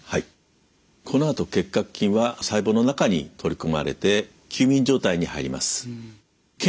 このあと結核菌は細胞の中に取り込まれて休眠状態に入ります。